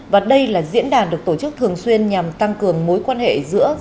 và đây là diễn đàn được tổ chức thường xuyên nhằm tăng cường mối quan hệ giữa gia đình